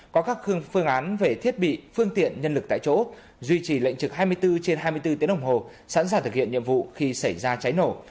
có các phương án về thiết bị phương tiện nhân lực tại chỗ duy trì lệnh trực hai mươi bốn trên hai mươi bốn tiếng đồng hồ sẵn sàng thực hiện nhiệm vụ khi xảy ra cháy nổ